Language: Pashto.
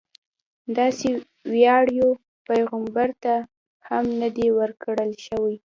داسې ویاړ یو پیغمبر ته هم نه دی ورکړل شوی.